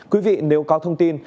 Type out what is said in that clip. quý vị nếu có thông tin